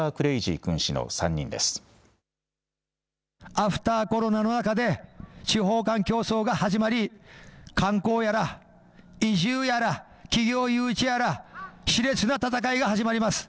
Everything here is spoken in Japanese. アフターコロナの中で地方間競争が始まり、観光やら移住やら企業誘致やらしれつな戦いが始まります。